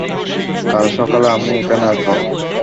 কাল সকালে আমি এখানে আসব।